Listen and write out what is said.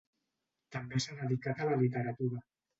També s'ha dedicat a la literatura.